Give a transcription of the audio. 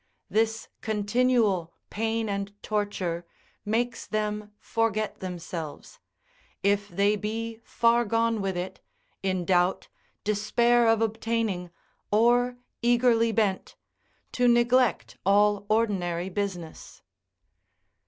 This continual pain and torture makes them forget themselves, if they be far gone with it, in doubt, despair of obtaining, or eagerly bent, to neglect all ordinary business.